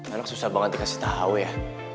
enak susah banget dikasih tau ya